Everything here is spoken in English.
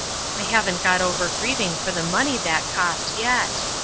I haven't got over grieving for the money that cost yet.